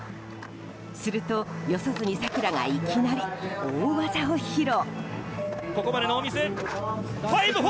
すると、四十住さくらがいきなり大技を披露。